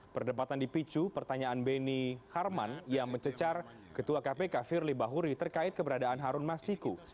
perdebatan dipicu pertanyaan beni harman yang mencecar ketua kpk firly bahuri terkait keberadaan harun masiku